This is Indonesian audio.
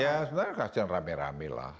ya sebenarnya kajian rame rame lah